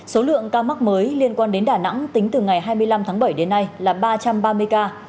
số lượng ca mắc mới liên quan đến đà nẵng tính từ ngày hai mươi năm tháng bảy đến nay là ba trăm ba mươi ca